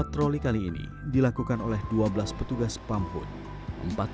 patroli kali ini dilakukan oleh dua belas petugas pamhut